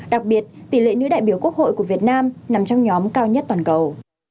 đặc biệt tỷ lệ nữ đại biểu quốc hội của việt nam nằm trong nhóm cao nhất toàn cầu